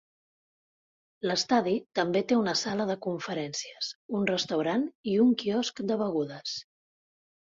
L'estadi també té una sala de conferències, un restaurant i un quiosc de begudes.